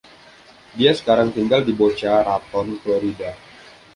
Dia sekarang tinggal di Boca Raton, Florida.